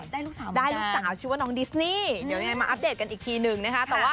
ได้ลูกสาวชื่อว่าน้องดิสนี่เดี๋ยวยังไงมาอัปเดตกันอีกทีหนึ่งนะคะ